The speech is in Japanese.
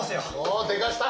おでかした。